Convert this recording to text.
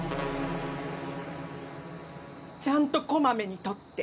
ちゃんと小まめに取って。